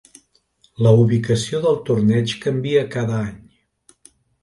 La ubicació del torneig canvia cada any.